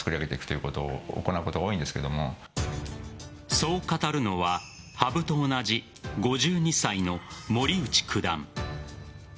そう語るのは羽生と同じ５２歳の森内九段。